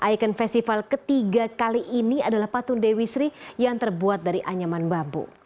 icon festival ketiga kali ini adalah patung dewi sri yang terbuat dari anyaman bambu